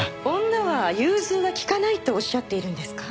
女は融通が利かないとおっしゃっているんですか？